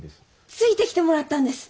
ついてきてもらったんです。